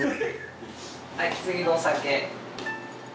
「はい次のお酒！」